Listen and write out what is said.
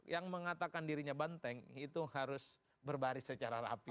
yang mengatakan dirinya banteng itu harus berbaris secara rapi